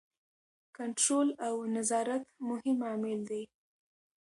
کنټرول او نظارت مهم عامل دی.